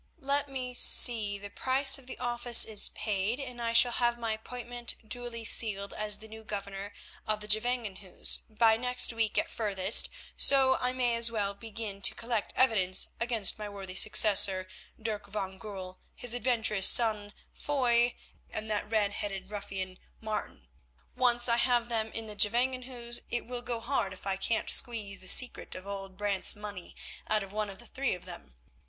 Let me see; the price of the office is paid and I shall have my appointment duly sealed as the new Governor of the Gevangenhuis by next week at furthest, so I may as well begin to collect evidence against my worthy successor, Dirk van Goorl, his adventurous son Foy, and that red headed ruffian, Martin. Once I have them in the Gevangenhuis it will go hard if I can't squeeze the secret of old Brant's money out of one of the three of them.